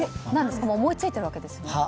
思いついてるわけですか？